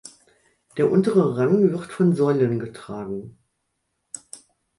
Der untere Rang wird von Säulen getragen.